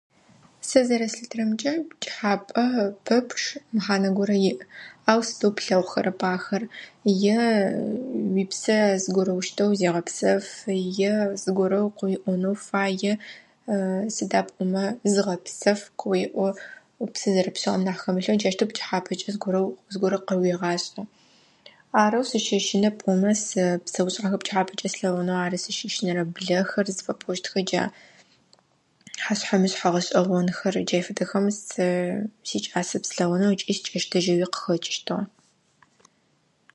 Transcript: Сэ зэрэслъытэрэмкӀэ пкӀыхьапӀэ пэпчъ мэхьанэ горэ иӀ. Ау сыдэу плъэгъухэрэп ахэр. Е уипсэ зыгорэущтэу зегъэпсэфы, е зыгорэ къыуиӀонэу фай, е сыда пӀомэ, зыгъэпсэф къыуеӀо, упсэ зэрэпшъыгъэм нахь хэмылъэу, джаущтэу пчыхьапӀэкӀэ зыгорэ [unintelligible] къыуегъашӀэ. Арэу сыщэщынэ пӀомэ сэ псэушъхьэхэ пкӀыхьапӀэкӀэ слъэгъунэу ары сызщыщынэхэрэр, блэхэр зыфэпӀощтхэр, джа хьэшъхьэ мышъхьэ гъэшӀэгъонхэр, джай фэдэхэмэ сэ сикӀасэп слъэгъунэу ыкӀи сыкӀэщтэжьэуи къыхэкӀыщтыгъэ.